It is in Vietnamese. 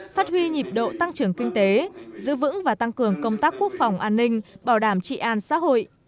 phát huy nhịp độ tăng trưởng kinh tế giữ vững và tăng cường công tác quốc phòng an ninh bảo đảm trị an xã hội